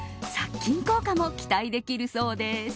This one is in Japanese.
殺菌効果も期待できるそうです。